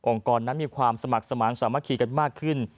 องค์กรนั้นมีความสมัครสมัครสามารถขีดกันมากขึ้น